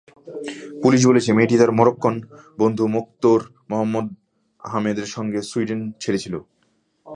Police বলছে, মেয়েটি তার মরোক্কান বন্ধু মোক্তার মোহাম্মদ আহমেদের সঙ্গে সুইডেন ছেড়েছিল।